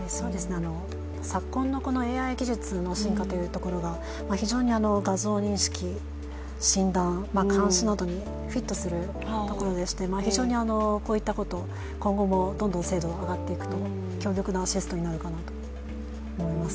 昨今のＡＩ技術の進化というところが、非常に画像認識診断、監視などにフィットするところでして、非常にこういったこと、今後もどんどん精度が上がっていくと強力なシステムになるかなと思います。